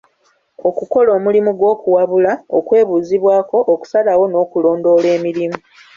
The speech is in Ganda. Okukola omulimu gw'okuwabula, okwebuuzibwako, okusalawo n'okulondoola emirimu.